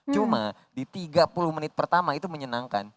cuma di tiga puluh menit pertama itu menyenangkan